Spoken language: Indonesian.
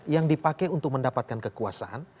yang dipakai untuk mendapatkan kekuasaan